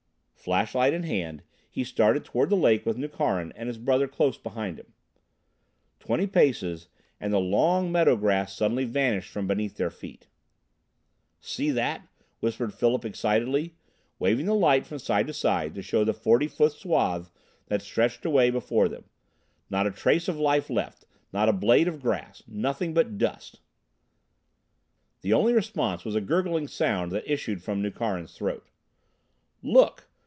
Flashlight in hand, he started toward the lake with Nukharin and his brother close behind him. Twenty paces, and the long meadow grass suddenly vanished from beneath their feet. "See that!" whispered Philip excitedly, waving the light from side to side to show the forty foot swath that stretched away before them. "Not a trace of life left, not a blade of grass nothing but dust!" The only response was a gurgling sound that issued from Nukharin's throat. "Look!"